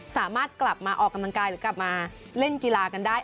สามารถกลับมาออกกำลังกายหรือกลับมาเล่นกีฬากันได้